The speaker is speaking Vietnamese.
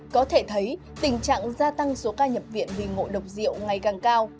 có thể thấy tình trạng gia tăng số ca nhập viện vì ngộ độc rượu ngày càng cao